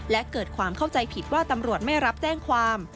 และเกิดความเข้าใจผิดว่าตำรวจไม่รับแจ้งความ